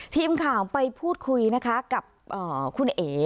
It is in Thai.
ทีมข่าวไปพูดคุยนะคะกับคุณเอ๋